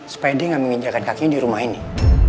supaya dia gak menginjakan kakinya di rumah ini